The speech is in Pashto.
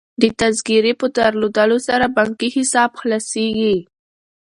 د تذکرې په درلودلو سره بانکي حساب خلاصیږي.